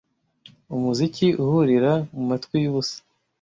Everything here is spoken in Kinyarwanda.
Umuziki uhurira mumatwi yubusa,